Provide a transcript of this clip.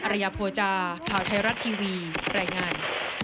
อรัยพจาข่าวไทยรัตน์ทีวีแรงงาน